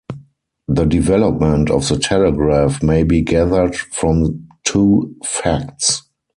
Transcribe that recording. The development of the telegraph may be gathered from two facts.